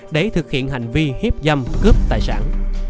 để thực hiện hành vi hiếp dâm cướp tài sản